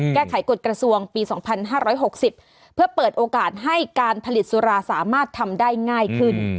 กฎกระทรวงปี๒๕๖๐เพื่อเปิดโอกาสให้การผลิตสุราสามารถทำได้ง่ายขึ้น